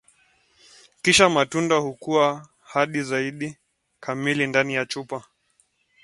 The fruit then grows to full size inside the bottle.